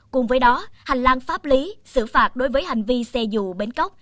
cùng với đó hành lang pháp lý xử phạt đối với hành vi xe dù bến cốc